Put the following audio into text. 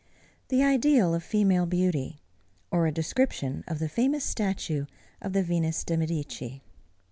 THE IDEAL OF FEMALE BEAUTY; OR A DESCRIPTION OF THE FAMOUS STATUE OF THE VENUS DE MEDICI.